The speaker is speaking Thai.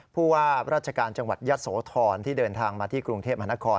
ผู้ว่าราชการจังหวัดยะโสธรที่เดินทางมาที่กรุงเทพมหานคร